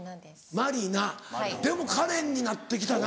マリナでもカレンになって来たな。